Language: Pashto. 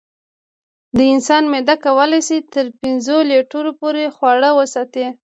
د انسان معده کولی شي تر پنځو لیټرو پورې خواړه وساتي.